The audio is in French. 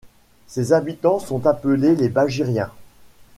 Ses habitants sont appelés les Bagiriens.